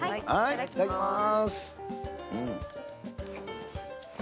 いただきます。